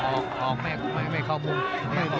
ออกไม่เข้ามุม